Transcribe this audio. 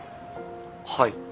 はい。